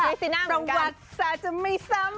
พิศินาเหมือนกันประวัติสาวจะไม่ซ้ำ